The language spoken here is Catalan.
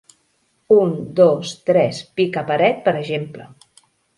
Un, dos, tres, pica paret, per exemple.